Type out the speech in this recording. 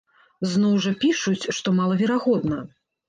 Зноў жа пішуць, што малаверагодна.